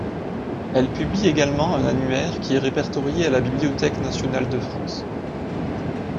Elle publie également un annuaire qui est répertorié à la Bibliothèque Nationale de France.